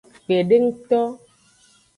Kpedengto.